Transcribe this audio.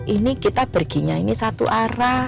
ini kita perginya ini satu arah